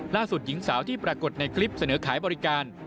หญิงสาวที่ปรากฏในคลิปเสนอขายบริการ